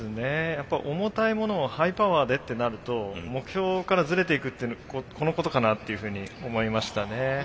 やっぱ重たいものをハイパワーでってなると目標からズレていくっていうのこのことかなっていうふうに思いましたね。